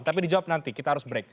tapi dijawab nanti kita harus break